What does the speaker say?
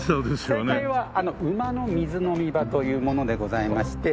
正解は馬の水飲み場というものでございまして。